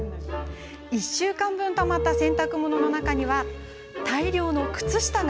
１週間分たまった洗濯物の中には大量の靴下が！